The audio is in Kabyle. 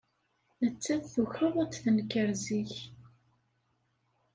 Nettat tukeḍ ad d-tenker zik.